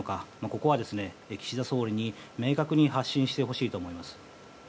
ここは、岸田総理に明確に発信してほしいと思います。